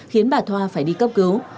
khiến bà thoa phải đi cấp cứu